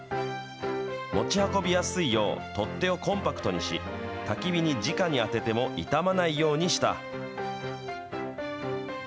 持ち運びやすいよう取っ手をコンパクトにし、たき火にじかに当てても傷まないようにした。